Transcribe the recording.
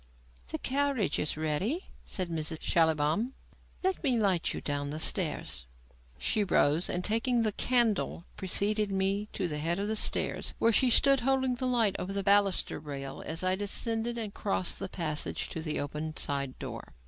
"The carriage is ready," said Mrs. Schallibaum. "Let me light you down the stairs." She rose, and, taking the candle, preceded me to the head of the stairs, where she stood holding the light over the baluster rail as I descended and crossed the passage to the open side door.